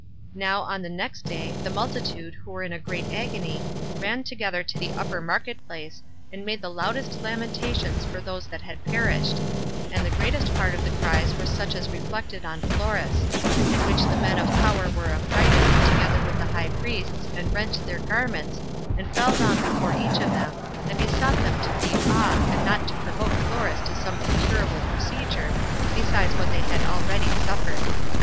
Now, on the next day, the multitude, who were in a great agony, ran together to the Upper Market place, and made the loudest lamentations for those that had perished; and the greatest part of the cries were such as reflected on Florus; at which the men of power were affrighted, together with the high priests, and rent their garments, and fell down before each of them, and besought them to leave off, and not to provoke Florus to some incurable procedure, besides what they had already suffered.